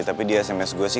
tapi dia sms gue sih